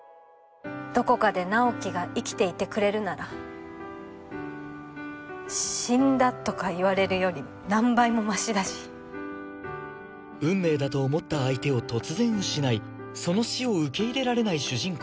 どこかで直木が生きていてくれるなら死んだとか言われるより何倍もましだし運命だと思った相手を突然失いその死を受け入れられない主人公